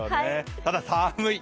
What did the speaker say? ただ、寒い！